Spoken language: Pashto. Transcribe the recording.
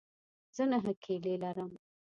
زه نهه کیلې لرم.